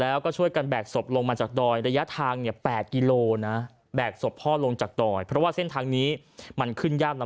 แต่ว่าไม่มีอะไรคนตายเนี่ยเขามีวิทยุเสียบใจแบทหมด